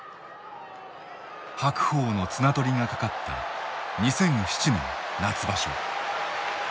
白鵬の綱取りがかかった２００７年夏場所。